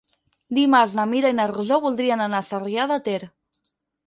Dimarts na Mira i na Rosó voldrien anar a Sarrià de Ter.